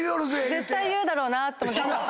絶対言うだろうなと思って。